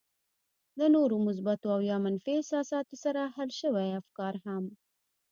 له نورو مثبتو او يا منفي احساساتو سره حل شوي افکار هم.